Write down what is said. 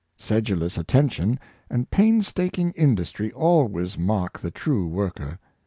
243 Sedulous attention and painstaking industry always mark the true worker.